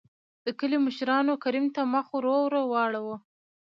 دکلي مشرانو کريم ته مخ ور ور واړو .